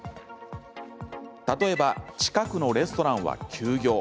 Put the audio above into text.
例えば近くのレストランは休業。